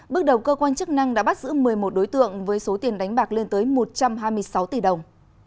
bước đầu cơ quan chức năng đã bắt giữ một mươi một đối tượng với số tiền đánh bạc lên tới một trăm hai mươi sáu tỷ đồng